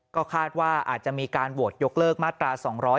ก็คาดว่าอาจจะมีการโหวตยกเลิกมาตรา๒๗